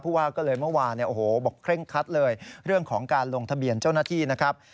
ว่าก็เลยเมื่อวานบอกเคร่งคัดเลยเรื่องของการลงทะเบียนเจ้าหน้าที่นะครับ